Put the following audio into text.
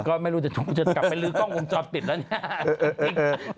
ก็ไม่รู้จะกลับไปลื้อกล้องวงจรปิดแล้วเนี่ย